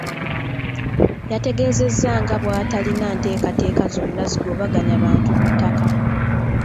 Yategeezezza nga bw’atalina nteekateeka zonna zigobaganya bantu ku ttaka.